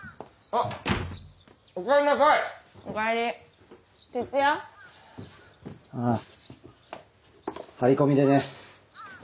ああ張り込みでね。